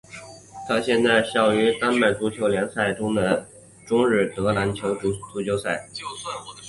他现在效力于丹麦足球超级联赛球队中日德兰足球俱乐部。